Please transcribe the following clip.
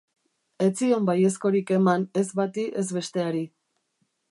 Ez zion baiezkorik eman ez bati ez besteari.